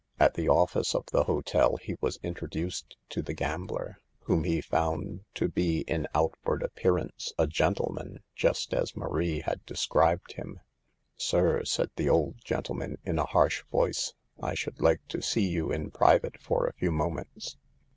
At the office of the hotel he was introduced to the gambler, whom he found to be, in out THE EVILS OF DANCING. 73 ward appearance, a gentleman, just as Marie had described him. "Sir/' said the old gentleman, in a harsh voice, " I should like to see you in private for a few moments."